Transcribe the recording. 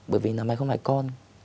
bởi vì là mày không phải con